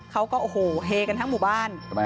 เขาก็เฮกันทั้งหมู่บ้าน